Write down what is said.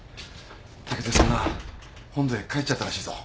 剛利さんな本土へ帰っちゃったらしいぞ。